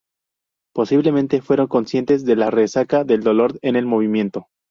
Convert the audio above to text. Posiblemente fueron conscientes de la resaca del dolor en el movimiento.